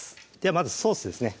まずソースですね